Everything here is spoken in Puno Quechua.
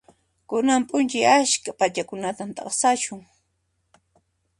Kunan p'unchay askha p'achakunata t'aqsasun.